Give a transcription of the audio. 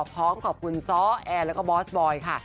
พร้อมขอบคุณซ้อแอร์แล้วก็บอสบอยค่ะ